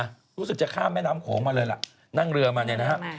เริ่มทางมารู้สึกจะข้ามแม่น้ำโขมันเลยละนั่งเรือมาเนี่ยนะครับ